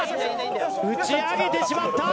打ち上げてしまった！